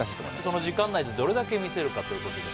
その時間内でどれだけ見せるかということで。